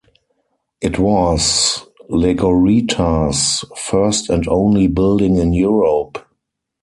It was Legorreta's first and only building in Europe.